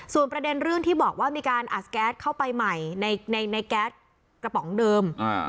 ส่วนประเด็นเรื่องที่บอกว่ามีการอัดแก๊สเข้าไปใหม่ในแก๊สกระป๋องเดิม